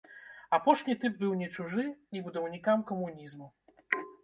Апошні тып быў не чужы і будаўнікам камунізму.